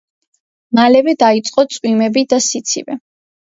მალევე დაიწყო წვიმები და სიცივე.